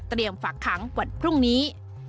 เตรียมฝากขังวันพรุ่งนี้